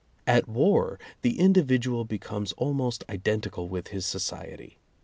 At war, the in dividual becomes almost identical with his so ciety.